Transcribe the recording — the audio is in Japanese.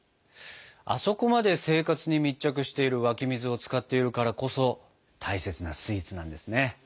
あそこまで生活に密着している湧き水を使っているからこそ大切なスイーツなんですね。